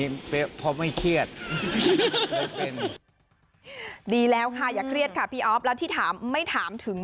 นี้พอไม่เครียดดีแล้วค่ะอย่าเรียกคาที่อ๊อปลอทิศภาแล้วที่ถามไม่ถามถึง